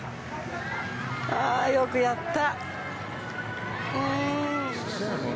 ああ、よくやった！